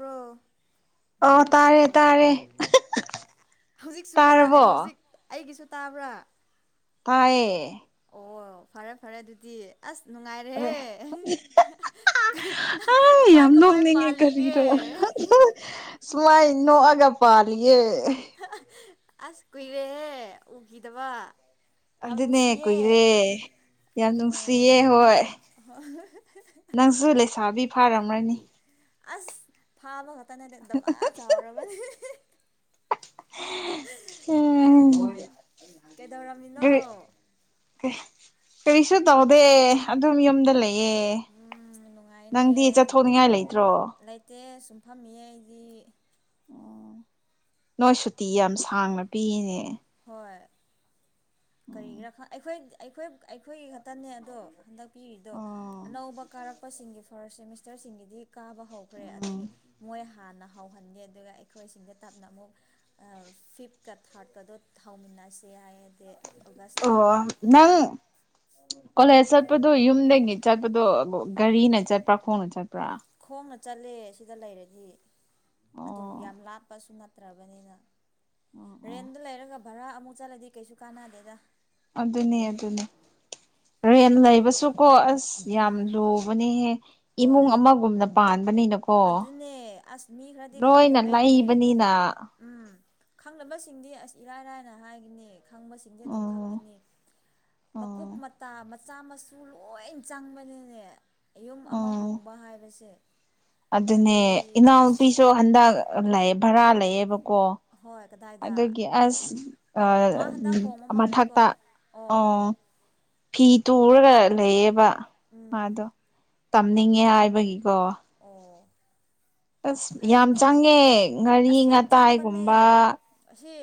ꯔꯣ [unintelligible] [inaudible] ꯑ ꯇꯥꯔꯦ ꯇꯥꯔꯦ ꯍꯧꯖꯤꯛꯁꯨ ꯇꯑꯦ ꯇꯥꯔꯕꯣ ꯍꯧꯖꯤꯛ ꯑꯩꯒꯤꯁꯨ ꯇꯥꯕ꯭ꯔꯥ ꯇꯌꯦ ꯑꯣ ꯐꯔꯦ ꯐꯔꯦ ꯑꯗꯨꯗꯤ ꯑꯁ ꯑꯗ ꯅꯨꯡꯉꯥꯏꯔꯦꯍꯦ [unintelligible] [inaudible] ꯑ ꯀꯃꯥꯏ ꯌꯥꯝ ꯀꯃꯥꯏ ꯅꯣꯛꯅꯤꯡꯉꯦ ꯄꯥꯜꯂꯤꯒꯦ ꯀꯔꯤꯅꯣ ꯁꯨꯃꯥꯏ ꯏꯣꯑꯒ ꯄꯥꯜꯂꯤꯦ ꯑꯁ ꯀꯨꯏꯔꯦꯍꯦ ꯎꯈꯤꯗꯕ ꯌꯥꯝ ꯑꯗꯨꯗꯅꯦ ꯅꯨꯡꯁꯤꯌꯦ ꯀꯣꯏꯔꯦ ꯌꯥꯝ ꯑꯣ ꯅꯨꯡꯁꯤꯌꯦ ꯍꯣꯏ ꯅꯪꯁꯨ ꯂꯩꯁꯥꯕꯤ ꯐꯥꯔꯝꯃ ꯃ ꯅꯤ ꯑꯁ ꯐꯥꯕ ꯈꯛꯇꯅꯦ ꯑꯗꯨꯗ ꯃꯥ ꯆꯥꯎꯔꯕ ꯎꯝ [unintelligible] [inaudible] ꯀꯩꯗꯧꯔꯝꯃꯤꯅꯣ ꯀꯔꯤ ꯀꯔꯤꯁꯨ ꯇꯧꯗꯦ ꯑꯗꯨꯝ ꯌꯨꯝꯗ ꯂꯩ ꯑꯦ ꯎꯝ ꯅꯨꯡꯉꯥꯏꯅꯦ ꯅꯪꯗꯤ ꯆꯠꯊꯣꯛꯅꯤꯡꯉꯥꯏ ꯂꯩꯇ꯭ꯔꯣ ꯇꯨꯝꯐꯝ ꯃꯏꯗꯤ ꯑꯣ ꯅꯣꯏ ꯁꯨꯇꯤ ꯌꯥꯝ ꯁꯥꯡꯅ ꯄꯤꯅꯦ ꯍꯣꯏ ꯎꯝ ꯀꯔꯤꯒꯤꯔꯥ ꯑꯩꯈꯣꯏ ꯑꯩꯈꯣꯏ ꯑꯩꯈꯣꯏꯒꯤ ꯈꯛꯇꯅꯦ ꯑꯗꯣ ꯍꯟꯗꯛꯄꯤꯔꯤꯗꯣ ꯑꯣ ꯑꯅꯧꯕ ꯀꯥꯔꯛꯄꯁꯤꯡꯒꯤ ꯐꯥꯔꯁ ꯁꯦꯃꯤꯁꯇꯔꯁꯤꯡꯒꯤꯗꯤ ꯀꯥꯕ ꯍꯧꯈ꯭ꯔꯦ ꯎꯝ ꯑꯗꯒꯤ ꯃꯣꯏ ꯍꯥꯟꯅ ꯍꯧꯍꯟꯒꯦ ꯑꯗꯨꯒ ꯑꯩꯈꯣꯏꯁꯤꯡꯗ ꯇꯞꯅ ꯑꯃꯨꯛ ꯐꯤꯐꯀ ꯊꯥꯔꯠꯀꯗꯣ ꯍꯃꯤꯟꯅ ꯅꯥꯁꯤꯦ ꯍꯥꯏ ꯑꯣ ꯅꯪ ꯀꯣꯂꯦꯖ ꯆꯠꯄꯗꯣ ꯌꯨꯝꯗꯒꯤ ꯆꯠꯄꯗꯣ ꯒꯥꯔꯤꯅ ꯆꯠꯄ꯭ꯔꯥ ꯈꯣꯡꯅ ꯆꯠꯄ꯭ꯔꯥ ꯈꯣꯡꯅ ꯆꯠꯂꯦ ꯁꯤꯗ ꯂꯩꯔꯗꯤ ꯑꯗꯨꯝ ꯎꯝ ꯌꯥꯝ ꯂꯥꯞꯄꯁꯨ ꯅꯠꯇ꯭ꯔꯕꯅꯤꯅ ꯎꯝ ꯔꯦꯟꯗ ꯂꯩꯔꯒ ꯚꯔꯥ ꯑꯃꯨꯛ ꯆꯠꯂꯗꯤ ꯀꯩꯁꯨ ꯀꯥꯟꯅꯗꯦꯗ ꯔꯦꯟ ꯑꯗꯨꯅꯤ ꯂꯩꯕꯒꯤ ꯑꯗꯨꯅꯤ ꯔꯦꯟ ꯂꯩꯕ ꯁꯨꯀꯣ ꯑꯁ ꯌꯥꯝ ꯎꯝ ꯂꯨꯕꯅꯦꯍꯦ ꯍꯣꯏ ꯏꯃꯨꯡ ꯑꯃꯒꯨꯝꯅ ꯄꯥꯟꯕꯅꯤꯅꯀꯣ ꯑꯗꯨꯅꯦ ꯑꯁ ꯃꯤ ꯈꯔꯗꯤ ꯂꯣꯏꯅ ꯈꯪꯗꯕꯩꯒꯤꯅꯦ ꯂꯩꯕꯅꯤꯅ ꯎꯝ ꯈꯪꯅꯕꯁꯤꯡꯗꯤ ꯑꯁ ꯏꯔꯥꯏꯔꯥꯏꯅ ꯍꯥꯏꯒꯅꯤ ꯈꯪꯕꯁꯤꯡꯗꯤ ꯑꯗꯨꯝ ꯎꯝ ꯈꯪꯒꯅꯤ ꯃꯀꯨꯞ ꯑꯣ ꯃꯇꯥ ꯃꯆꯥ ꯃꯁꯨ ꯂꯣꯏ ꯆꯪꯕꯅꯤꯅꯦ ꯌꯌꯨꯝ ꯑꯃ ꯎꯝ ꯍꯣꯡꯕ ꯍꯥꯏꯕꯁꯦ ꯑꯗꯨꯅꯦ ꯀꯔꯤ ꯑꯁ ꯏꯅꯥꯎꯅꯨꯄꯤꯁꯨ ꯍꯟꯗꯛ ꯚꯔꯥ ꯂꯩꯌꯦꯦꯕꯀꯣ ꯍꯣꯏ ꯀꯗꯥꯏꯗ ꯑꯗꯨꯒꯤ ꯑꯁ ꯑꯣ ꯃꯥ ꯍꯟꯗꯛ ꯍꯣꯡꯕ ꯃꯥꯜꯂꯦꯀꯣ ꯃꯊꯛꯇ ꯑꯣ ꯐ ꯇꯨꯔꯒ ꯂꯩꯌꯦꯕ ꯎꯝ ꯃꯥꯗꯣ ꯇꯝꯅꯤꯡꯉꯦ ꯑꯣ ꯍꯥꯏꯕꯒꯤꯀꯣ ꯑꯣ ꯑꯁ ꯌꯥꯝ ꯐꯩꯅꯦ ꯆꯪꯉꯦ ꯉꯥꯔꯤ ꯑꯁ ꯌꯥꯝ ꯆꯪꯕꯅꯦ ꯉꯇꯥꯏꯒꯨꯝꯕ ꯑꯁꯤ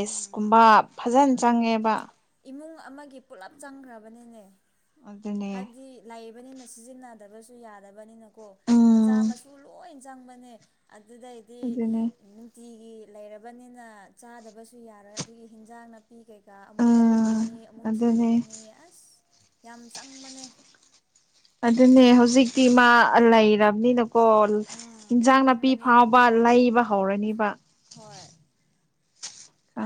ꯎꯝ ꯐꯖꯅ ꯎꯝ ꯆꯪꯉꯦꯕ ꯏꯃꯨꯡ ꯑꯃꯒꯤ ꯄꯨꯂꯞ ꯆꯪꯈ꯭ꯔꯕꯅꯤꯅꯦ ꯑꯗꯨꯅꯦ ꯍꯥꯏꯕꯗꯤ ꯂ ꯍꯥꯏꯕꯅꯤꯅ ꯁꯤꯖꯤꯟꯅꯗꯕꯁꯨ ꯌꯥꯗꯕꯅꯤꯅꯀꯣ ꯎꯝ ꯃꯆꯥ ꯃꯁꯨ ꯂꯣꯏ ꯆꯪꯕꯅꯦ ꯑꯗꯨꯗꯩꯗꯤ ꯑꯗꯨꯅꯦ ꯅꯨꯡꯇꯤꯒꯤ ꯒꯤ ꯂꯩꯔꯕꯅꯤꯅ ꯆꯥꯗꯕꯁꯨ ꯌꯥꯔꯣꯏ ꯑꯗꯨꯒꯤ ꯍꯤꯟꯖꯥꯡꯅ ꯄꯤ ꯀꯩꯀꯥ ꯑꯃꯨꯛ ꯎꯝ ꯂꯩꯔꯨꯒꯅꯤ ꯑꯃꯨꯛ ꯑꯗꯨꯅꯦ ꯊꯤꯔꯨꯒꯅꯤ ꯑꯁ ꯌꯥꯝ ꯆꯪꯕꯅꯦ ꯑꯗꯨꯅꯦ ꯍꯧꯖꯤꯛꯇꯤ ꯃꯥ ꯂꯩꯔꯕꯅꯤꯅ ꯀꯣ ꯎꯝ ꯏꯟꯖꯥꯡ ꯅꯥꯄꯤ ꯈꯪꯉꯝꯒꯅꯤ ꯐꯥꯎꯕ ꯂꯩꯕ ꯍꯧꯔꯅꯤꯕ ꯍꯣꯏ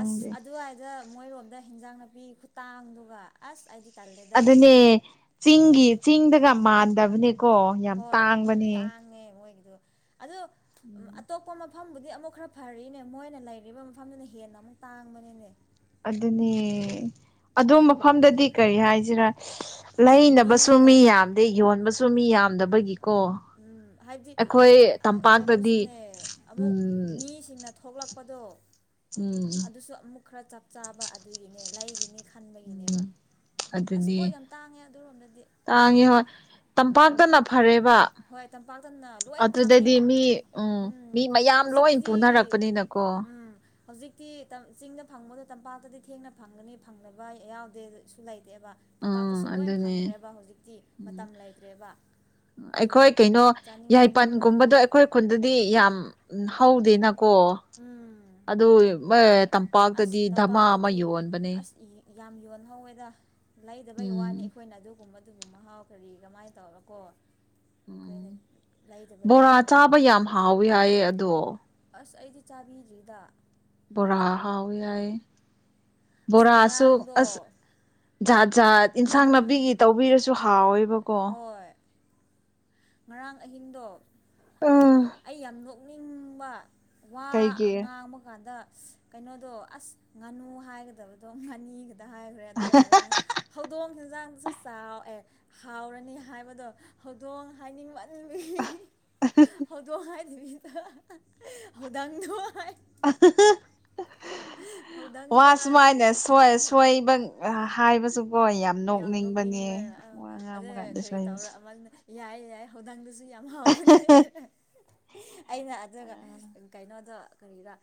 ꯑꯁ ꯑꯗꯗ ꯃꯣꯏꯔꯣꯝꯗ ꯍꯤꯟꯖꯥꯡ ꯅꯥꯄꯤ ꯈꯨꯇꯥꯡꯗꯨꯒ ꯑꯁ ꯍꯥꯏꯗꯤ ꯑꯗꯨꯅꯦ ꯆꯤꯡꯒꯤ ꯆꯤꯡꯗꯒ ꯃꯥꯟꯗꯕꯅꯦ ꯀꯣ ꯌꯥꯝ ꯇꯥꯡꯕꯅꯦ ꯑꯗꯨ ꯑꯇꯣꯞꯄ ꯃꯐꯝꯕꯨꯗꯤ ꯑꯃꯨꯛ ꯈꯔ ꯐꯔꯤꯅꯦ ꯃꯣꯏꯅ ꯂꯩꯔꯤꯕ ꯃꯐꯝꯗꯨꯅ ꯍꯦꯟꯅ ꯑꯃꯨꯛ ꯇꯥꯡꯕꯅꯤꯅꯦ ꯑꯗꯨꯅꯦ ꯑꯗꯨ ꯃꯐꯝꯗꯗꯤ ꯀꯔꯤ ꯍꯥꯏꯁꯤꯔꯥ ꯂꯩꯅꯕꯁꯨ ꯃꯤꯅ ꯃꯤ ꯌꯥꯝꯗꯦ ꯌꯣꯟꯕꯁꯨ ꯃꯤ ꯌꯥꯝꯗꯕꯒꯤ ꯎꯝ ꯍꯥꯏꯕꯗꯤ ꯇꯝꯄꯥꯛꯇꯗꯤ ꯀꯩꯅꯣꯁꯨꯅꯦ ꯑꯃꯨꯛ ꯎꯝ ꯃꯤꯁꯤꯡꯅ ꯊꯣꯛꯂꯛꯄ ꯄꯗꯣ ꯎꯝ ꯈꯔ ꯆꯞ ꯆꯥꯕ ꯑꯗꯨꯒꯤꯅꯦ ꯂꯩꯒꯤꯅꯤ ꯎꯝ ꯈꯟꯕꯒꯤꯅꯦꯕ ꯑꯁ ꯑꯗꯨꯅꯤ ꯄꯣꯠ ꯌꯥꯝ ꯇꯥꯡꯉꯦ ꯑꯗꯨꯔꯣꯝꯗꯗꯤ ꯅꯥ ꯐꯔꯦ ꯍꯣꯏ ꯇꯝꯄꯥꯛꯇꯅ ꯂꯣꯏ ꯐꯪꯉꯦ ꯑꯗꯨꯗꯗꯤ ꯃꯤ ꯎꯝ ꯃꯤ ꯃꯌꯥꯝ ꯂꯣꯏ ꯄꯨꯅꯔꯛꯄꯅꯤꯅ ꯀꯣ ꯎꯝ ꯍꯧꯖꯤꯛꯇꯤ ꯆꯤꯡꯗ ꯐꯪꯕꯗꯣ ꯇꯝꯄꯥꯛꯇꯗꯤ ꯊꯦꯡꯅ ꯐꯪꯒꯅꯤ ꯐꯪꯅꯕ ꯌꯥꯎꯗꯦ ꯁꯁꯨ ꯂꯩꯇꯦ ꯕ ꯎꯝ ꯇꯝꯄꯥꯛꯇꯁꯨ ꯂꯣꯏ ꯑꯗꯨꯅꯦ ꯐꯪꯈ꯭ꯔꯦꯕ ꯍꯧꯖꯤꯛꯇꯤ ꯎꯝ ꯃꯇꯝ ꯂꯩꯇ꯭ꯔꯦꯕ ꯑꯗꯨꯝ ꯑꯩꯈꯣꯏ ꯀꯩꯅꯣ ꯆꯥꯅꯤꯡ ꯆꯥꯅꯤꯡꯕ ꯌꯥꯏꯄꯟꯒꯨꯝꯕꯗꯣ ꯑꯩꯈꯣꯏ ꯈꯨꯟꯗꯗꯤ ꯌꯥꯝ ꯍꯧꯗꯦꯅ ꯀꯣ ꯎꯝ ꯑꯗꯨ ꯑꯁ ꯇꯝꯄꯥꯛꯇꯗꯤ ꯙꯃꯥ ꯑꯃ ꯇꯝꯄꯥꯛꯇꯗꯤ ꯌꯣꯟꯕꯅꯦ ꯑꯁ ꯏ- ꯌꯥꯝ ꯌꯣꯟꯍꯧꯋꯦꯗ ꯂꯩꯗꯕꯩ ꯋꯥꯅꯤ ꯎꯝ ꯑꯩꯈꯣꯏꯅ ꯑꯗꯨꯒꯨꯝꯕ ꯑꯗꯨꯕꯨ ꯃꯍꯥꯎ ꯀꯔꯤ ꯀꯃꯥꯏꯅ ꯇꯧꯔꯀꯣ ꯎꯝ ꯑꯩꯈꯣꯏꯅ ꯕꯣꯔꯥ ꯂꯩꯗꯕꯒꯤꯅꯦꯕ ꯆꯥꯕ ꯌꯥꯝ ꯍꯥꯎꯋꯤ ꯍꯥꯏꯌꯦ ꯑꯗꯣ ꯑꯁ ꯑꯩꯗꯤ ꯆꯥꯕꯤꯗ꯭ꯔꯤꯗ ꯕꯣꯔ ꯍꯥꯥꯎꯥꯎ ꯌꯥꯏ ꯑꯁ ꯕꯣꯔꯥ ꯑꯁꯨꯣ ꯉꯔꯥꯡꯗꯣ ꯑꯁꯗ ꯏꯟꯁꯥꯡ ꯎꯝ ꯅꯥꯄꯤꯒꯤ ꯇꯧꯕꯤꯔꯁꯨ ꯍꯥꯎꯋꯦꯕꯀꯣ ꯍꯣꯏ ꯉꯔꯥꯡ ꯑꯍꯤꯡꯗꯣ ꯎꯝ ꯄꯨꯛꯅꯤꯡꯕ ꯋꯥ ꯀꯩꯒꯤ ꯉꯥꯡꯕ ꯀꯥꯟꯗ ꯀꯩꯅꯣꯗꯣ ꯑꯁ ꯉꯥꯅꯨ ꯍꯥꯏꯒꯗꯕꯗꯣ ꯉꯥꯅꯤꯒ ꯍꯥꯏꯈ꯭ꯔꯦ ꯑꯗꯨꯒ ꯉꯔꯥꯡ ꯍꯧꯗꯣꯡ ꯆꯤꯟꯖꯥꯡ ꯆꯥꯎꯑꯦ ꯍꯥꯎꯔꯅꯤ ꯍꯥꯏꯕꯗꯣ ꯍꯧꯗꯣꯡ ꯍꯥꯏꯅꯤꯡꯕ ꯍꯥꯏꯔꯤꯕꯗ ꯍꯧꯧꯗꯥꯡꯗꯣ ꯋꯥ ꯍꯧꯗꯪꯗꯣ ꯍꯥꯏ ꯁꯨꯃꯥꯏꯅꯣꯏ ꯁꯣꯏꯕ ꯍꯥꯏꯕꯁꯨꯀꯣ ꯌꯥꯝ ꯅꯣꯛꯅꯤꯡꯕꯅꯦ ꯋꯥ ꯉ ꯑꯗ ꯉꯥꯡꯕ ꯀꯥꯟꯗꯁꯨ ꯀꯔꯤ ꯇꯧꯔ ꯍꯩꯕꯁꯦ ꯑꯃꯅ ꯌꯥꯏ ꯌꯥꯏ ꯍꯧꯗꯥꯡꯗꯁꯨ ꯌꯥꯝ ꯍꯥꯎꯕꯅꯤ ꯑꯩꯅ ꯑꯗꯨꯒ ꯀꯩꯅꯣꯗ ꯀꯔꯤꯗ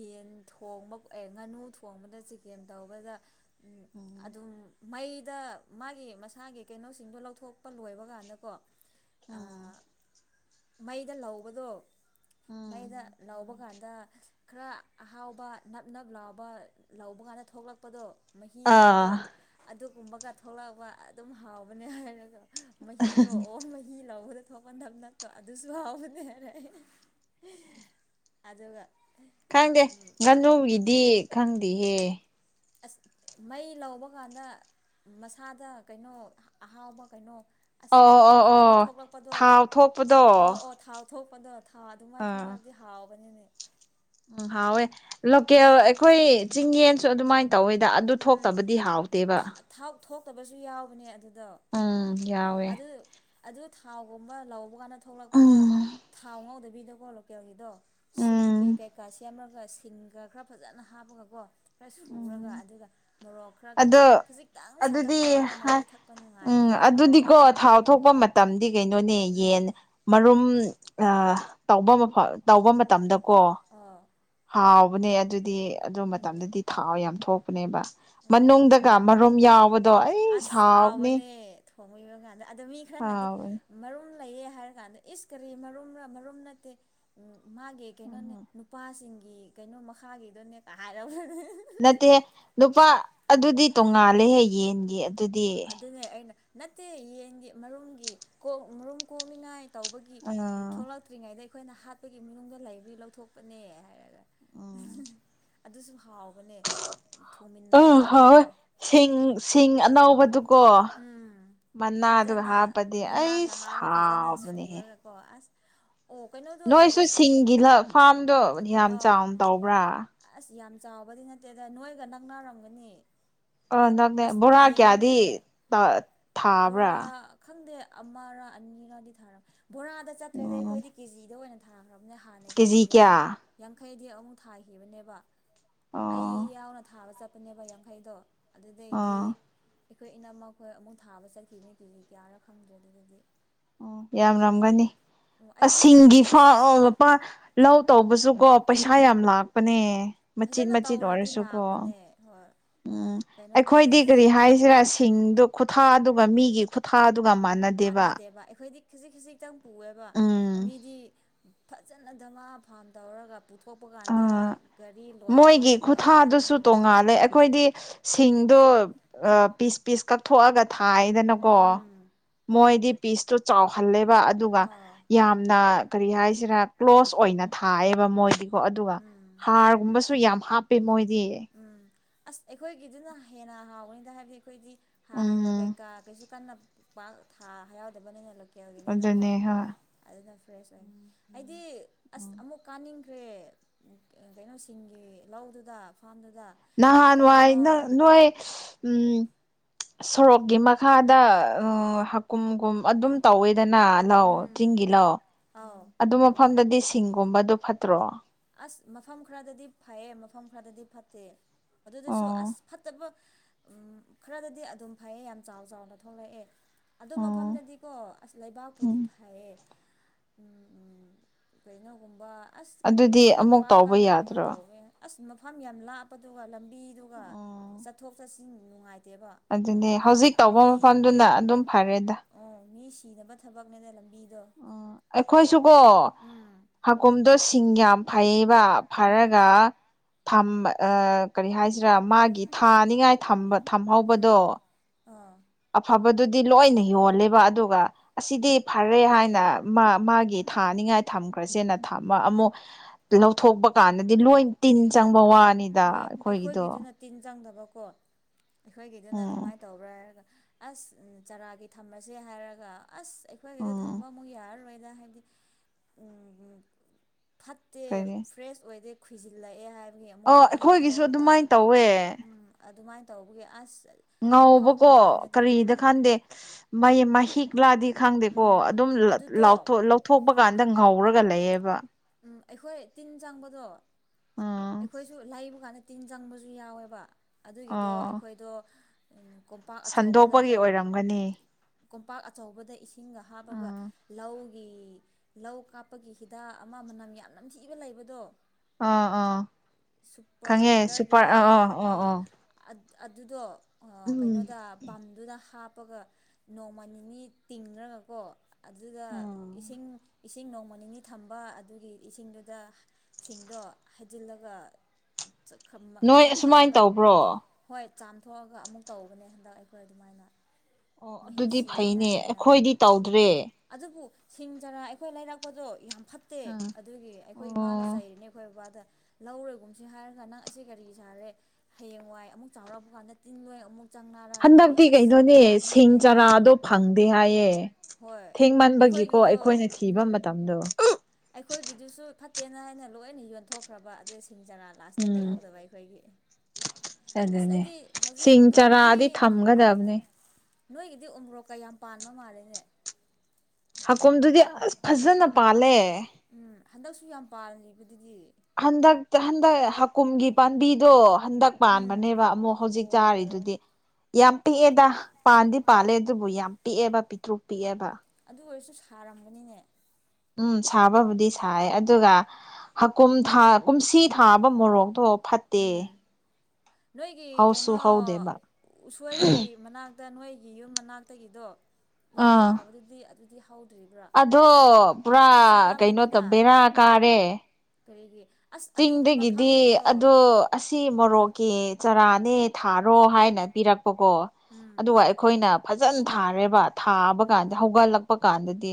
ꯌꯦꯟ ꯊꯣꯡꯕ ꯉꯥꯅꯨ ꯊꯣꯡꯕꯗ ꯆꯤꯀꯦꯟ ꯇꯧꯕꯗ ꯎꯝ ꯑꯗꯨꯝ ꯃꯩ ꯁꯤꯗ ꯃꯥꯒꯤ ꯃꯁꯥꯒꯤ ꯀꯩꯅꯣꯁꯤꯡꯗꯣ ꯂꯧꯊꯣꯛꯄ ꯂꯣꯏꯕ ꯀꯥꯟꯗꯀꯣ ꯑꯝ ꯃꯩꯗ ꯂꯧꯕꯗꯣ ꯎꯝ ꯃꯩꯗ ꯂꯥꯎꯕ ꯀꯥꯟꯗ ꯈꯔ ꯑꯍꯥꯎꯕ ꯅꯞ ꯅꯞ ꯂꯥꯎꯕ ꯂꯧꯕ ꯀ ꯍꯥꯟꯅ ꯊꯣꯛꯂꯛꯄꯗꯣ ꯃꯍꯤꯒꯨꯝꯕꯗꯣ ꯑꯥ ꯑꯗꯨꯒꯨꯝꯕꯒ ꯊꯣꯛꯂꯛꯄ ꯑꯗꯨꯝ ꯍꯥꯎꯕꯅꯦ ꯍꯥꯏꯔꯒ ꯃꯍꯤꯗꯣ ꯑꯣ ꯃꯍꯤ ꯂꯧꯕꯗ ꯊꯣꯛꯄꯟ ꯊꯕ ꯅꯠꯇꯣ ꯑꯗꯨꯁꯨ ꯍꯥꯎꯕꯅꯦ ꯍꯥꯏꯔꯦ ꯑꯗꯨꯒ ꯈꯪꯗꯦ ꯉꯥꯅꯨꯒꯤꯗꯤ ꯈꯪꯗꯦꯍꯦ ꯑꯁ ꯃꯩ ꯂꯧꯕ ꯀꯥꯟꯗ ꯃꯁꯥꯗ ꯀꯩꯅꯣ ꯑꯍꯥꯎꯕ ꯀꯩꯅꯣ ꯑꯁ ꯑꯣ ꯅ ꯑꯣ ꯅ ꯀꯩꯅꯣ ꯑꯣ ꯊꯣꯛꯂꯛꯄꯗꯣ ꯊꯥꯎ ꯑꯣ ꯊꯣꯛꯄꯗꯣ ꯑꯣ ꯊꯥꯎ ꯊꯣꯛꯄꯗꯣ ꯊꯥꯎ ꯑꯗꯨꯃꯥꯏꯅ ꯑꯥ ꯊꯣꯛꯂꯛꯑꯒꯗꯤ ꯍꯥꯎꯕꯅꯤꯅꯦ ꯎꯝ ꯍꯥꯎꯋꯦ ꯂꯣꯀꯦꯜ ꯑꯩꯈꯣꯏ ꯆꯤꯡꯌꯦꯟꯁꯨ ꯑꯗꯨꯃꯥꯏꯅ ꯇꯧꯋꯦ ꯗ ꯑꯗꯨ ꯊꯣꯛꯇꯕꯗꯤ ꯍꯥꯎꯇꯦꯕ ꯕꯁꯨ ꯌꯥꯎꯕꯅꯦ ꯑꯗꯨꯗ ꯎꯝ ꯌꯥꯎꯋꯦ ꯑꯗꯨ ꯑꯗꯨ ꯊꯥꯎꯒꯨꯝꯕ ꯂꯧꯕ ꯀꯥꯟꯗ ꯊꯣꯛꯂꯛꯄꯗ ꯎꯝ ꯊꯥꯎ ꯉꯧꯗꯕꯤꯗꯀꯣ ꯂꯣꯀꯦꯜꯒꯤꯗꯣ ꯁꯨꯞꯀꯤ ꯎꯝ ꯀꯩꯀꯥꯥꯁ ꯌꯥꯝ ꯑꯗꯨꯒ ꯁꯤꯡꯒ ꯈꯔ ꯐꯖꯅ ꯍꯥꯞꯄꯒꯀꯣ ꯈꯔ ꯁꯨꯔꯒ ꯎꯝ ꯑꯗꯨꯒ ꯃꯣꯔꯣꯛ ꯈꯔꯒ ꯑꯗꯣ ꯈꯖꯤꯛꯇꯪ ꯁꯥꯇꯛ ꯑꯗꯨꯗꯤ ꯇꯧꯔꯒ ꯃꯍꯤ ꯊꯛꯄ ꯎꯝ ꯅꯨꯡꯉꯥꯏꯕꯅꯤꯅ ꯑꯗꯨꯗꯤꯀꯣ ꯍꯥꯎꯕꯅꯤ ꯊꯥꯎ ꯊꯣꯛꯄ ꯃꯇꯝꯗꯤ ꯀꯩꯅꯣꯅꯦ ꯎꯝ ꯌꯦꯟ ꯃꯔꯨꯝ ꯑ ꯇ ꯃꯐꯝ ꯇꯧꯕ ꯃꯇꯝꯗꯀꯣ ꯑꯣ ꯍꯥꯎꯕꯅꯦ ꯑꯗꯨ ꯗꯤ ꯑꯗꯨ ꯎꯝ ꯃꯇꯝꯗꯗꯤ ꯊꯥꯎ ꯌꯥꯝ ꯊꯣꯛꯄꯅꯦꯕ ꯑꯣ ꯃꯅꯨꯡꯗꯒ ꯃꯔꯨꯝ ꯌꯥꯎꯕꯗꯣ ꯑꯩ ꯁꯥꯎꯅꯤ ꯐꯣꯡꯉꯏꯕ ꯀꯥꯟꯗ ꯑꯗꯣ ꯃꯤ ꯈꯔꯅꯗꯤ ꯃꯔꯨꯝ ꯂꯩꯌꯦ ꯍꯥꯏꯔ ꯀꯥꯟꯗ ꯏꯁ ꯀꯔꯤ ꯃꯔ ꯃꯔꯣꯝ ꯅꯠꯇꯦ ꯎ ꯃꯥꯒꯤ ꯀꯩꯅꯣꯅꯦ ꯅꯨꯄꯥꯁꯤꯡꯒꯤ ꯀꯩꯅꯣ ꯃꯈꯥꯒꯤꯗꯅꯦ ꯍꯥꯏꯔꯕ ꯅꯠꯇꯦꯍꯦ ꯅꯨꯄꯥ ꯑꯗꯨꯗꯤ ꯇꯣꯡꯉꯥꯜꯂꯦꯍꯦ ꯌꯦꯟꯒꯤ ꯑꯗꯨꯗꯤ ꯑꯗꯨꯅꯦ ꯑꯩꯅ ꯅꯠꯇꯦ ꯌꯦꯟꯒꯤ ꯃꯔꯨꯝꯒꯤ ꯀꯣꯛ ꯃꯔꯨꯝ ꯀꯣꯛꯃꯤꯉꯥꯏ ꯇꯧꯕꯒꯤ ꯑ ꯊꯣꯛꯂꯛꯇ꯭ꯔꯤꯉꯩꯗ ꯑꯩꯈꯣꯏꯅ ꯍꯥꯠꯄꯒꯤ ꯃꯅꯨꯡꯗ ꯂꯩꯕꯒꯤ ꯂꯧꯊꯣꯛꯄꯅꯦ ꯍꯥꯏꯔꯒ ꯑꯗꯨ ꯑꯗꯨꯁꯨ ꯍꯥꯎ ꯎꯝ ꯍꯣꯏ ꯁꯤꯡ ꯁꯤꯡ ꯑꯅꯧꯕ ꯀꯣ ꯃꯅꯥꯗꯨ ꯐꯖꯅ ꯍꯥꯞꯄꯗꯤ ꯑꯩ ꯃꯅꯥꯒ ꯍꯥꯞꯔꯒ ꯐꯖꯅ ꯁꯥꯎꯕꯅꯦꯍ ꯁꯨꯔꯒꯀꯣ ꯑꯁ ꯑꯣ ꯀꯩꯅꯣꯗꯣ ꯅꯣꯏꯁꯨ ꯁꯤꯡꯒꯤ ꯐꯥꯔꯝꯗꯣ ꯌꯥꯝ ꯑꯥꯎ ꯆꯥꯎꯅ ꯇꯧꯕ꯭ꯔꯥ ꯑꯁ ꯌꯥꯝ ꯆꯥꯎꯕꯗꯤ ꯅꯠꯇꯦ ꯑꯗ ꯅꯣꯏꯒ ꯅꯛꯅꯔꯝꯒꯅꯤ ꯑꯥ ꯅꯪꯅꯦ ꯑꯁ ꯕꯣꯔꯥ ꯀꯌꯥꯗꯤ ꯌꯦꯡꯅꯤꯡꯈ꯭ꯔꯦ ꯊꯥꯕ꯭ꯔꯥ ꯕꯣꯔꯥ ꯈꯪꯗꯦ ꯑꯃꯔ ꯑꯅꯤꯔꯗꯤ ꯊꯥꯔ ꯕꯣꯔꯥꯗ ꯆꯠꯇ꯭ꯔꯦꯗꯤ ꯎꯝ ꯑꯩꯈꯣꯏꯗꯤ ꯀꯦꯖꯤꯗ ꯑꯣꯏꯅ ꯀꯝꯅ ꯀꯦꯖꯤ ꯍꯥꯟꯅꯒꯤꯁꯤ ꯀꯌꯥ ꯌꯥꯡꯈꯩꯗꯤ ꯑꯃꯨꯛ ꯊꯥꯈꯤꯕꯅꯦꯕ ꯑꯩ ꯑꯣ ꯌꯥꯎꯅ ꯊꯥꯕ ꯆꯠꯄꯅꯦꯕ ꯌꯥꯡꯈꯩꯗꯣ ꯑꯗꯨꯗꯩꯗꯤ ꯑꯥ ꯑꯩꯈꯣꯏ ꯏꯅꯝꯃꯛ ꯑꯩꯈꯣꯏ ꯑꯃꯨꯛ ꯊꯥꯕ ꯆꯠꯈꯤꯕꯅꯦ ꯀꯦꯖꯤ ꯀꯌꯥꯔ ꯈꯪꯗ꯭ꯔꯦ ꯑꯗꯨꯗꯗꯤ ꯎ ꯌꯥꯝꯔꯝꯒꯅꯤ ꯑꯣ ꯑꯩꯗꯤ ꯑꯁꯤꯡꯒꯤ ꯑꯁ ꯃꯥꯟ ꯂꯧ ꯇꯧꯕꯁꯨ ꯄꯩꯁꯥ ꯎꯝ ꯌꯥꯝ ꯂꯥꯛꯄꯅꯦ ꯃꯆꯤꯠ ꯐꯖꯅ ꯃꯆꯤꯠ ꯇꯧꯔꯗꯤ ꯑꯣꯏꯔꯁꯨꯀꯣ ꯂꯥꯛꯄꯅꯦ ꯍꯣꯏ ꯎꯝ ꯀꯩꯅꯣꯗꯣ ꯑꯩꯈꯣꯏꯗꯤ ꯀꯔꯤ ꯍꯥꯏꯁꯤꯔꯥ ꯁꯤꯡꯗ ꯈꯨꯠꯊꯥꯗꯨ ꯃꯤꯒꯤ ꯈꯨꯊꯥꯗꯨꯒ ꯃꯥꯟꯅꯗꯦꯕ ꯈꯖꯤꯛ ꯈꯖꯤꯛꯇꯪ ꯄꯨꯑꯦꯕ ꯎꯝ ꯃꯤꯗꯤ ꯐꯖꯅ ꯙꯒꯥꯥ ꯐꯥꯝ ꯇꯧꯔꯒ ꯄꯨꯊꯣꯛꯄ ꯀꯥꯟꯗ ꯑꯥ ꯒꯥꯔꯤ ꯂꯣꯠ ꯃꯣꯏꯒꯤ ꯑꯃꯒꯨꯝꯕ ꯈꯨꯊꯥꯗꯨꯁꯨ ꯑꯗꯨꯃꯥꯏꯅ ꯂꯧꯊꯣꯛꯑꯦꯕ ꯗ ꯄꯤꯁ ꯄꯤꯁ ꯀꯛꯊꯣꯛꯑꯒ ꯊꯥꯏꯗꯅꯀꯣ ꯎꯝ ꯃꯣꯏꯗꯤ ꯄꯤꯁꯇꯣ ꯆꯥꯎꯍꯜꯂꯦꯕ ꯑꯗꯨꯒ ꯑꯥ ꯌꯥꯝꯅ ꯀꯔꯤ ꯍꯥꯏꯁꯤꯔꯥ ꯀ꯭ꯂꯣꯁ ꯑꯣꯏꯅ ꯊꯥꯛꯑꯦꯕ ꯃꯣꯏ ꯀꯣ ꯑꯗꯨꯒ ꯎꯝ ꯍꯥꯔꯒꯨꯝꯕꯁꯨ ꯌꯥꯝ ꯍꯥꯞꯄꯦ ꯃꯣꯏꯗꯤ ꯎꯝ ꯑꯁ ꯑꯩꯈꯣꯏꯒꯤꯗꯨꯅ ꯍꯦꯟꯅ ꯍꯥꯎꯋꯅꯤꯗ ꯍꯥꯏꯕꯗꯤ ꯑꯩꯈꯣꯏꯗꯤ ꯍꯥꯔ ꯎꯝ ꯀꯩꯀꯥ ꯀꯩꯁꯨ ꯀꯟꯅ ꯊꯥ ꯌꯥ ꯌꯥꯎꯗꯕꯅꯤꯅ ꯂꯣꯀꯦꯜꯒꯤꯅꯤꯅꯀꯣ ꯑꯗꯨꯅꯦ ꯍꯣꯏ ꯑꯗꯨꯅ ꯦ ꯑꯣꯏ ꯑꯩꯗꯤ ꯑꯁ ꯎꯝ ꯑꯃꯨꯛ ꯀꯥꯅꯤꯡ ꯐꯈ꯭ꯔꯦ ꯀꯩꯅꯣꯁꯤꯡꯒꯤ ꯂꯧꯗꯨꯗ ꯐꯥꯝꯗꯨꯗ ꯀꯩ ꯅꯍꯥꯟ ꯀꯩꯅꯣ ꯅꯨꯡꯉꯥꯏ ꯅꯅꯨꯡꯉꯥꯏ ꯎꯝ ꯁꯣꯔꯣꯛꯀꯤ ꯃꯈꯥꯗ ꯎ ꯍꯀꯨꯝꯒꯨꯝ ꯑꯗꯨꯝ ꯇꯧꯋꯦ ꯗꯅꯥ ꯂꯥꯛꯑꯣ ꯎꯝ ꯆꯤꯡꯒꯤ ꯂꯥꯛꯑꯣ ꯑꯥꯎ ꯑꯗꯨ ꯃꯐꯝꯗꯗꯤ ꯁꯤꯡꯒꯨꯝꯕꯗ ꯐꯠꯇ꯭ꯔꯣ ꯑꯁ ꯃꯐꯝ ꯈꯔꯗꯗꯤ ꯐꯩꯌꯦ ꯃꯐꯝ ꯈꯔꯗꯗꯤ ꯐꯠꯇꯦ ꯑꯗꯨꯗꯁꯨ ꯑꯣ ꯑꯁ ꯐꯠꯇꯕ ꯈꯔꯗꯗꯤ ꯑꯗꯨꯝ ꯐꯩꯌꯦ ꯌꯥꯝ ꯆꯥꯎ ꯆꯥꯎꯅ ꯊꯣꯛꯂꯛꯑꯦ ꯑꯗꯨ ꯑꯣ ꯃꯐꯝꯗꯗꯤꯀꯣ ꯑꯁ ꯂꯩꯕꯥꯛꯄꯨꯗꯤ ꯎꯝ ꯐꯌꯦ ꯎꯝ ꯎ ꯀꯩꯅꯣꯒꯨꯝꯕ ꯑꯁ ꯑꯗꯨꯗꯤ ꯀꯩꯁꯨ ꯑꯃꯨꯛ ꯄꯥꯛ ꯇꯧꯕ ꯀꯟꯅ ꯀꯩꯅꯣ ꯌꯥꯗ꯭ꯔꯣ ꯇꯧꯋꯦ ꯑꯁ ꯃꯐꯝ ꯌꯥꯝ ꯂꯥꯞꯄꯗꯨꯒ ꯗꯨꯒ ꯑꯣ ꯆꯠꯊꯣꯛ ꯆꯠꯁꯤ ꯑꯗꯨꯅꯦ ꯍꯧꯖꯤꯛ ꯇꯧꯕ ꯃꯤ ꯃꯐꯝꯗꯨꯅ ꯑꯗꯨꯝ ꯐꯔꯦꯗ ꯊꯤꯅꯕ ꯊꯕꯛꯅꯦꯅ ꯂꯝꯕꯤ ꯎ ꯑꯩꯈꯣꯏꯁꯨꯀꯣ ꯍꯒꯨꯝꯗꯣ ꯁꯤꯡ ꯌꯥꯝ ꯐꯩꯌꯦ ꯐꯔꯒ ꯀꯔꯤ ꯍꯥꯏꯁꯤꯔꯥ ꯃꯥꯒꯤ ꯊꯥꯅꯤꯉꯥꯏ ꯎꯝ ꯊꯝꯍꯧꯕꯗꯣ ꯎꯝ ꯑ ꯑꯐꯕꯗꯨꯗꯤ ꯂꯣꯏꯅ ꯌꯣꯜꯂꯦꯕ ꯑꯗꯨꯒ ꯑꯁꯤꯗꯤ ꯐꯔꯦ ꯍꯥꯏꯅ ꯃꯥ ꯃꯥꯒꯤ ꯊꯥꯅꯤꯡꯉꯥꯏ ꯊꯝꯈ꯭ꯔꯁꯦꯅ ꯊꯃ ꯑꯃꯨꯛ ꯂꯧꯊꯣꯛꯄ ꯀꯥꯟꯗꯗꯤ ꯂꯣꯏ ꯇꯤꯟ ꯆꯪꯕ ꯋꯥꯏ ꯍꯣꯏ ꯑꯩꯈꯣꯏꯒꯤꯗꯨꯅ ꯇꯤꯟ ꯆꯪꯗꯕꯀꯣ ꯑꯩꯈꯣꯏꯒꯤꯗꯨꯅ ꯎꯝ ꯀꯃꯥꯏꯅ ꯇꯧꯕ꯭ꯔꯥ ꯍꯥꯏꯔꯒ ꯑꯁ ꯎ ꯆꯥꯔꯥꯒꯤ ꯊꯝꯃꯁꯦ ꯍꯥꯏꯔꯒ ꯑꯁ ꯑꯩꯈꯣꯏꯒꯤꯗ ꯎꯝ ꯊꯝꯕ ꯑꯃꯨꯛ ꯌꯥꯔꯔꯣꯏ ꯍꯥꯏꯗꯤ ꯐꯠꯇꯦ ꯀꯔꯤ ꯐ꯭ꯔꯦꯁ ꯑꯣꯏꯗꯦ ꯈꯣꯏꯏꯖꯤꯜꯂꯛꯑꯦ ꯍꯥꯏꯕꯒꯤ ꯑꯃ ꯑ ꯑꯩꯈꯣꯏꯒꯤꯁꯨ ꯑꯗꯨꯃꯥꯏꯅ ꯇꯧꯋꯦ ꯇꯧꯕꯒꯤꯦ ꯑꯁ ꯑꯃꯨꯛ ꯍꯧꯕ ꯉꯧꯕꯀꯣ ꯀꯥꯟꯗꯗꯤ ꯀꯔꯤꯗ ꯎꯝ ꯈꯥꯟꯗꯦ ꯃꯍꯤꯛꯂꯥꯗꯤ ꯈꯪꯗꯦꯀꯣ ꯎꯝ ꯑꯗꯨꯝꯊ ꯑꯗꯨꯗꯣ ꯂꯧꯊꯣꯛꯄ ꯀꯥꯟꯗ ꯉꯧꯔꯒ ꯂꯩꯌꯦꯕ ꯎꯝ ꯑꯩꯈꯣꯏ ꯇꯤꯟ ꯆꯪꯕꯗꯣ ꯎꯝ ꯑꯩꯈꯣꯏꯁꯨ ꯂꯩꯕ ꯀꯥꯟꯗ ꯇꯤꯟ ꯆꯪꯕꯁꯨ ꯌꯥꯎꯋꯦꯕ ꯑꯗꯨꯒꯤꯗꯣ ꯑꯣ ꯑꯩꯈꯣꯏꯗꯣ ꯀꯣꯝꯄꯥꯛ ꯁꯟꯗꯣꯛꯄꯒꯤ ꯑꯆꯧꯕꯗꯀꯣ ꯑꯣꯏꯔꯝꯒꯅꯤ ꯀꯣꯝꯄꯥꯛ ꯑꯆꯧꯕꯗ ꯏꯁꯤꯡꯒ ꯍꯥꯞꯄꯒ ꯑꯥ ꯂꯧ ꯑꯩ ꯒꯤ ꯂꯧ ꯀꯥꯞꯄꯒꯤ ꯍꯤꯗꯥꯛ ꯑꯃ ꯃꯅꯝ ꯌꯥꯝ ꯅꯝꯊꯤꯕ ꯂꯩꯕꯗꯣ ꯑꯥ ꯑꯥ ꯁꯨꯄꯔ ꯈꯪꯉꯦ ꯁꯨꯄꯔ ꯀꯤꯂꯔꯒꯤꯗꯣ ꯑꯥ ꯑꯥ ꯑ ꯑꯣ ꯑꯗꯨꯗꯣ ꯀꯩꯅꯣꯗ ꯄꯕꯝꯗꯨꯗ ꯍꯥꯞ ꯍꯥꯨꯞꯄꯒ ꯅꯣꯡꯃ ꯅꯤꯅꯤ ꯇꯤꯡꯈ꯭ꯔꯒꯀꯣ ꯑꯗꯨꯗ ꯏꯁꯤꯡ ꯏꯁꯤꯡ ꯅꯣꯡꯃ ꯅꯤꯅꯤ ꯊꯝꯕ ꯕ ꯑꯗꯨꯒꯤ ꯏꯁꯤꯡꯗꯨꯗ ꯁꯤꯡꯗꯣ ꯍꯩꯖꯤꯜꯂꯒ ꯅꯣꯏ ꯉꯥꯏꯍꯥꯛ ꯑꯁꯨꯃꯥꯏꯅ ꯊꯝꯃꯒ ꯇꯧꯕ꯭ꯔꯣ ꯍꯣꯏ ꯆꯥꯝꯊꯣꯛꯑꯒ ꯑꯃꯨꯛ ꯇꯧꯕꯅꯦ ꯍꯟꯗꯛ ꯑꯩꯈꯣꯏ ꯑꯗꯨꯃꯥꯏꯅ ꯑꯣ ꯃꯍꯤꯛ ꯑꯗꯨꯗꯤ ꯁꯤꯅꯤꯉꯥꯏ ꯐꯩꯅꯦ ꯍꯥꯏꯅ ꯑꯩꯈꯣꯏꯗꯤ ꯇꯧꯗ꯭ꯔꯦ ꯑꯗꯨꯕꯨ ꯁꯤꯡ ꯆꯔꯥ ꯑꯩꯈꯣꯏ ꯂꯩꯔꯛꯄꯗꯣ ꯌꯥꯝ ꯐꯠꯇꯦ ꯑꯥ ꯑꯗꯨꯒꯤ ꯑꯩꯈꯣꯏ ꯏꯃꯥꯅ ꯑꯣ ꯆꯩꯔꯤꯅꯦ ꯑꯩꯈꯣꯏ ꯕꯕꯥꯗ ꯂꯧꯔꯣꯏꯒꯨꯝꯁꯦ ꯍꯥꯏꯔꯒ ꯅꯪ ꯑꯁꯤꯁ ꯀꯔꯤ ꯁꯥꯔꯦ ꯍꯌꯦꯡꯋꯥꯏ ꯑꯃꯨꯛ ꯆꯥꯎꯔꯛꯑꯄ ꯀꯥꯟꯗ ꯇꯤꯟꯂꯣꯏ ꯑꯃꯨꯛ ꯆꯪꯅꯔꯛꯑꯗꯤ ꯍꯟꯗꯛꯇꯤ ꯑꯁ ꯀꯩꯅꯣꯅꯦ ꯁꯤꯡ ꯊꯥꯅꯤꯡꯗꯦꯗ ꯆꯔꯥꯗꯣ ꯐꯪꯗꯦ ꯍꯥꯏꯌꯦ ꯍꯣꯏ ꯊꯦꯡꯃꯟꯕꯒꯤꯀꯣ ꯑꯩꯈꯣꯏꯒꯤꯗꯣ ꯑꯩꯈꯣꯏꯅ ꯊꯤꯕ ꯎꯝ ꯃꯇꯝꯗꯣ ꯑꯩꯈꯣꯏꯒꯤꯗꯨꯁꯨ ꯐꯠꯇꯦꯅ ꯍꯥꯏꯅ ꯂꯣꯏꯅ ꯌꯣꯟꯊꯣꯛꯈ꯭ꯔꯕ ꯑꯗ ꯏꯁꯤꯡ ꯆꯔꯥ ꯂꯥꯁꯇ ꯎꯝ ꯂꯩꯍꯧꯗꯕ ꯑꯩꯈꯣꯏꯒꯤ ꯑꯁ ꯑꯗꯨꯅꯦ ꯑꯩꯗꯤ ꯍꯧꯖꯤꯛ ꯁꯤꯡ ꯅꯣꯏꯒꯤꯗꯤ ꯆꯥꯔꯥꯗꯤ ꯊꯝꯒꯗꯕꯅꯦ ꯅꯣꯏꯒꯤꯗꯤ ꯎ꯭ꯔꯣꯛꯀ ꯌꯥꯝ ꯄꯥꯟꯕ ꯃꯥꯜꯂꯦꯅꯦ ꯍꯥꯀꯣꯝꯗꯨꯗꯤ ꯑꯁ ꯐꯖꯅ ꯄꯥꯜꯂꯦ ꯎꯝ ꯍꯟꯗꯛꯁꯨ ꯌꯥꯝ ꯄꯥꯜꯂꯤꯕ ꯍꯟꯗꯛ ꯍꯟꯗꯛ ꯍꯥꯀꯨꯝꯒꯤ ꯄꯥꯝꯕꯤꯗꯣ ꯍꯟꯗꯛ ꯎꯝ ꯄꯥꯟꯕꯅꯦꯕ ꯑꯃꯨꯛ ꯍꯧꯖꯤꯛ ꯑꯣ ꯆꯥꯔꯤꯗꯨꯗꯤ ꯌꯥꯝ ꯄꯤꯛꯑꯦꯗ ꯄꯥꯟꯗꯤ ꯄꯥꯜꯂꯦ ꯑꯗꯨꯕꯨ ꯌꯥꯝ ꯄꯤꯛꯑꯦꯕ ꯄꯤꯛꯇ꯭ꯔꯨꯛ ꯄꯤꯛꯑꯦꯕ ꯑꯗꯨ ꯑꯣꯏꯔꯁꯨ ꯁꯥꯔꯝꯒꯅꯤꯅꯦ ꯎꯝ ꯁꯥꯕꯕꯨꯗꯤ ꯁꯥꯏ ꯑꯗꯨꯒ ꯍꯀꯨꯝ ꯀꯨꯝꯁꯤ ꯊꯥꯕ ꯃꯣꯔꯣꯛꯇꯣ ꯐꯠꯇꯦ ꯎꯝ ꯅꯣꯏꯒꯤ ꯍꯧꯁꯨ ꯀꯩꯅꯣ ꯍꯧꯗꯦꯕ ꯎꯁꯣꯏꯒꯤ ꯃꯅꯥꯛꯇ ꯅꯣꯏꯒꯤ ꯌꯨꯝ ꯃꯅꯥꯛꯇꯒꯤꯗꯣ ꯌꯥꯝ ꯑꯥ ꯊꯥꯕꯗꯗꯤ ꯑꯗꯨꯗꯤ ꯍꯧꯗ꯭ꯔꯤꯕ꯭ꯔꯥ ꯑꯗꯣ ꯄꯨꯔꯥ ꯃꯄꯥꯟ ꯀꯩꯅꯣ ꯇ ꯁꯥꯠꯂꯝꯃꯅꯤꯗ ꯕꯦꯔꯥ ꯀꯥꯔꯦ ꯀꯔꯤꯒꯤ ꯑꯁ ꯑꯗꯨꯒꯤ ꯆꯤꯡꯗꯒꯤꯗꯤ ꯃꯐꯝꯒꯤꯗꯣ ꯑ ꯑꯁꯤ ꯃꯣꯔꯣꯛꯀꯤ ꯆꯔꯥꯅꯦ ꯊꯥꯔꯣ ꯍꯥꯏꯅ ꯄꯤꯔꯛꯄ ꯀꯣ ꯎꯝ ꯑꯗꯨꯒ ꯑꯩꯈꯣꯏꯅ ꯐꯖꯅ ꯊꯥꯔꯦꯕ ꯊꯥꯕ ꯎꯝ ꯀꯥꯟꯗ ꯍꯧꯒꯠꯂꯛꯄ ꯀꯥꯟꯗꯗꯤ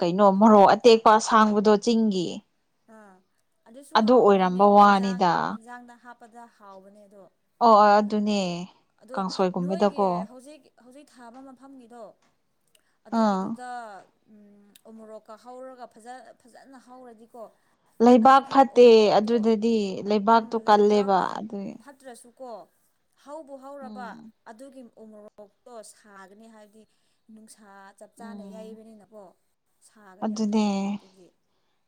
ꯀꯩꯅꯣ ꯃꯣꯔꯣꯛ ꯑꯇꯦꯛꯄꯁꯥꯡꯕꯗꯣ ꯆꯤꯡꯒꯤ ꯑꯥ ꯑꯗꯨꯁꯨ ꯑꯗꯨ ꯍꯥꯎꯕꯅꯤꯅꯦ ꯑꯣꯏꯔꯝꯕ ꯍꯦꯟꯖꯥꯡ ꯋꯥꯅꯤꯗ ꯍꯟꯖꯥꯡꯗ ꯍꯥꯞꯄꯗ ꯍꯥꯎꯕꯅꯦ ꯑꯗꯣ ꯑꯣ ꯑꯣ ꯑꯗꯨꯅꯦ ꯑꯗꯣ ꯅꯣꯏꯒꯤ ꯀꯥꯡꯁꯣꯏꯒꯨꯝꯕꯗꯀꯣ ꯍꯧꯖꯤꯛ ꯍꯧꯖꯤꯛ ꯊꯥꯕ ꯃꯐꯝꯅꯤꯗꯣ ꯑꯥ ꯑꯗꯨꯒꯤꯗꯨꯗ ꯎꯃꯣꯔꯣꯛꯀ ꯍꯧꯔꯒꯖ ꯐꯖꯅ ꯍꯧꯔꯗꯤꯀꯣ ꯂꯩꯕꯥꯛ ꯑꯗꯨꯒꯤ ꯐꯠꯇꯦ ꯎꯃꯣꯔꯣꯛꯇꯣ ꯑꯗꯨꯗꯗꯤ ꯂꯩꯕꯥꯛꯇꯣ ꯀꯜꯂꯦꯕ ꯑꯗꯨ ꯀꯣ ꯍꯧꯕ ꯍꯧꯔꯕ ꯑꯗꯨꯒꯤ ꯎꯣꯔꯣꯛꯇꯣ ꯁꯥꯒꯅꯤ ꯍꯥꯏꯕꯗꯤ ꯅꯨꯡꯁꯥ ꯆꯞ ꯆꯥꯅ ꯎꯝ ꯌꯩꯕꯅꯤꯅꯀꯣ ꯁꯥꯒꯅꯤ ꯑꯗꯨꯒꯤ ꯑꯗꯨꯅꯦ ꯃꯣꯔꯣꯛꯇꯨꯗꯤ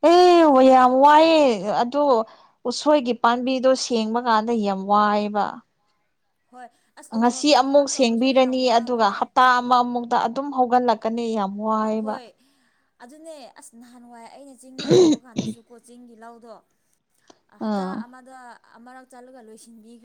ꯑꯦ ꯍ ꯌꯥꯝ ꯁꯥꯒꯗꯕꯅꯦ ꯋꯥꯏꯑꯦ ꯑꯗꯨ ꯎꯁꯣꯏꯒꯤ ꯄꯥꯝꯕꯤꯗꯣ ꯁꯦꯡꯕ ꯀꯥꯟꯗ ꯌꯥꯝ ꯋꯥꯏꯑꯕ ꯍꯣꯏ ꯑꯁ ꯎ ꯉꯁꯤ ꯃꯣꯔꯣꯛꯀꯤ ꯑꯃꯨꯛ ꯐꯥꯝ ꯇꯧꯕꯁꯨ ꯌꯥꯝ ꯁꯦꯡꯕꯤꯔꯅꯤ ꯑꯗꯨꯒ ꯋꯥꯕꯅꯦ ꯍꯞꯇꯥ ꯑꯃꯃꯨꯛꯇ ꯑꯗꯨꯝ ꯍꯧꯒꯠꯂꯛꯀꯅꯤ ꯌꯥꯝ ꯋꯥꯏꯕ ꯍꯣꯏ ꯑꯗꯨꯅꯦ ꯑꯁ ꯅꯍꯥꯟꯋꯥꯏ ꯑꯩꯅ ꯆꯤꯡꯗ ꯂꯩꯕ ꯀꯥꯟꯗꯁꯨ ꯀꯣ ꯆꯤꯡꯒꯤ ꯂꯧꯗꯣ ꯍꯇꯥ ꯑꯥ ꯑꯃꯗ ꯑꯃꯔꯛ ꯆꯠꯂꯒ ꯂꯣꯏꯁꯤꯟꯕꯤꯒ